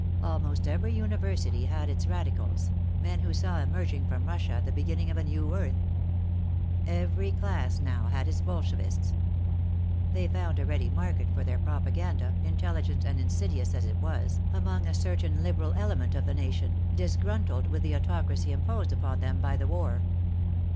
Almost every university had its radicals, men who saw emerging from Russia the beginning of a new earth. Every class now had its Bolshevists. They found a ready market for their propaganda, intelligent and insidious as it was, among a certain liberal element of the nation, disgruntled with the autocracy imposed upon them by the war.